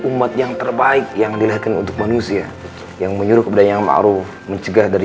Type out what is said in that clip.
umat yang terbaik yang dilahirkan untuk manusia yang menyuruh kepadanya yang ma'ruf mencegah dari